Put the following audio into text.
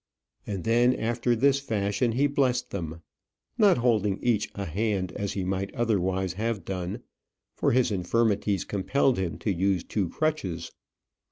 And then after this fashion he blessed them not holding each a hand as he might otherwise have done; for his infirmities compelled him to use two crutches.